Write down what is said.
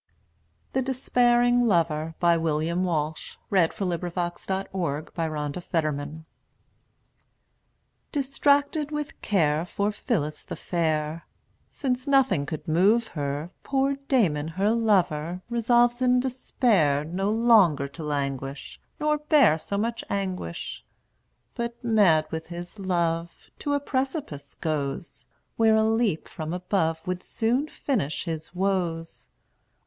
endure my own despair, But not another's hope. William Walsh The Despairing Lover DISTRACTED with care, For Phillis the fair, Since nothing could move her, Poor Damon, her lover, Resolves in despair No longer to languish, Nor bear so much anguish; But, mad with his love, To a precipice goes; Where a leap from above Would soon finish his woes.